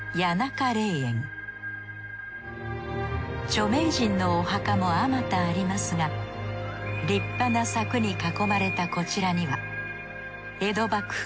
著名人のお墓もあまたありますが立派な柵に囲まれたこちらには江戸幕府